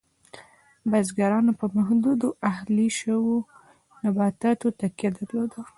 بزګرانو په محدودو اهلي شویو نباتاتو تکیه درلود.